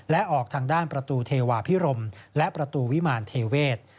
และออกทางด้านประตูเทวาพิรมและประตูวิมารเทเวศ